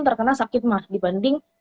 terkena sakit ma dibanding